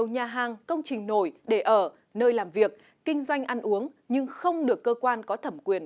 nhà hàng công trình nổi để ở nơi làm việc kinh doanh ăn uống nhưng không được cơ quan có thẩm quyền